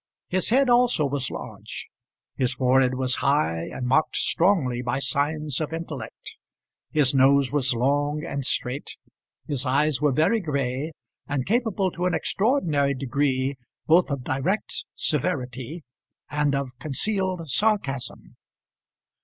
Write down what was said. His head also was large; his forehead was high, and marked strongly by signs of intellect; his nose was long and straight, his eyes were very gray, and capable to an extraordinary degree both of direct severity and of concealed sarcasm.